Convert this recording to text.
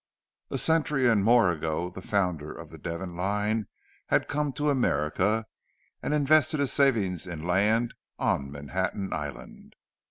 A century and more ago the founder of the Devon line had come to America, and invested his savings in land on Manhattan Island.